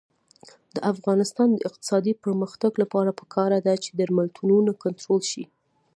د افغانستان د اقتصادي پرمختګ لپاره پکار ده چې درملتونونه کنټرول شي.